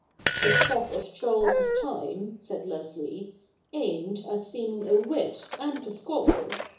' The fop of Charles's time,' said Leslie, ' aimed at seeming a wit and a scholar.